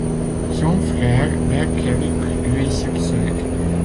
Son frère Berk-Yaruq lui succède.